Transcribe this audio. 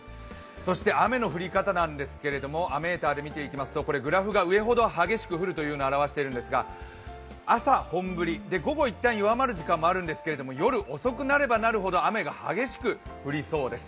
そして、雨の降り方なんですけど雨ーターで見ていきますとこれ、グラフが上ほど激しく降ることを示しているんですが朝本降り、午後一旦弱まる時間もあるんですが、夜遅くなればなるほど雨が激しく降りそうです。